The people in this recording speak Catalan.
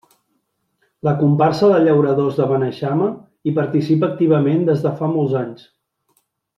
La comparsa de llauradors de Beneixama hi participa activament des de fa molts anys.